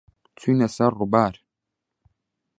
چووینە سەر ڕووبار.